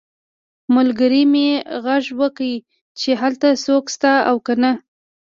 ملګري مې غږ وکړ چې هلته څوک شته او که نه